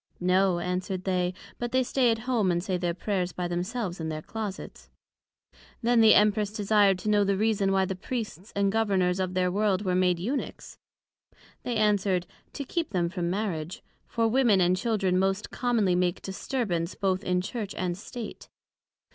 No, answered they: but they stay at home, and say their Prayers by themselves in their Closets. Then the Empress desir'd to know the reason why the Priests and Governors of their World were made Eunuchs? They answer'd, To keep them from Marriage: For Women and Children most commonly make disturbance both in Church and State.